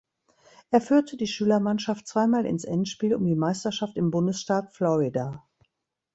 Er führte die Schülermannschaft zweimal ins Endspiel um die Meisterschaft im Bundesstaat Florida.